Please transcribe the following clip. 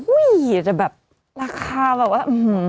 อยากจะแบบราคาแบบว่าอื้อหือ